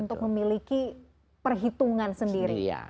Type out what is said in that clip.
untuk memiliki perhitungan sendiri